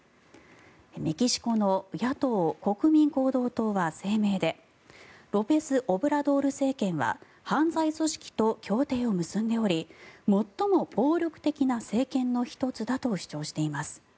メキシコの野党・国民行動党は声明でロペス・オブラドール政権は犯罪組織と協定を結んでおり最も暴力的な政権の１つだと主張しています。